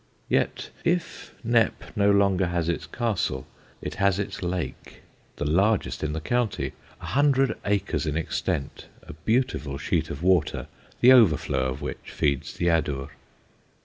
Yet if Knepp no longer has its castle, it has its lake the largest in the county, a hundred acres in extent, a beautiful sheet of water the overflow of which feeds the Adur.